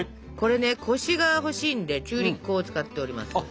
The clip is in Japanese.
これねコシがほしいんで中力粉を使っております。